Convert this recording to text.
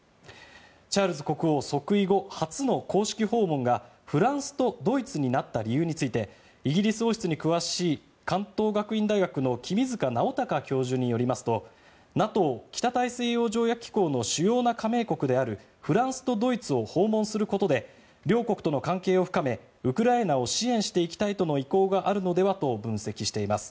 チャールズ国王即位後初の公式訪問がフランスとドイツになった理由についてイギリス王室に詳しい関東学院大学の君塚直隆教授によりますとＮＡＴＯ・北大西洋条約機構の主要な加盟国であるフランスとドイツを訪問することで両国との関係を深めウクライナを支援していきたいとの意向があるのではと分析しています。